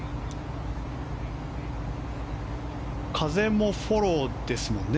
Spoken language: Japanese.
風もフォローですもんね